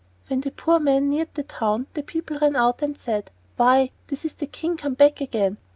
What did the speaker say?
When the poor man neared the town the people ran out and said: "Why, this is the King come back again.